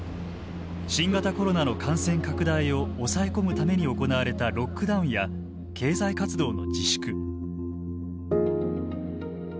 新型コロナの感染拡大を抑え込むために行われたロックダウンや経済活動の自粛。